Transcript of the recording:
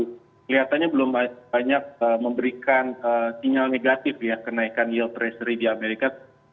kelihatannya belum banyak memberikan sinyal negatif ya kenaikan yield treasury di amerika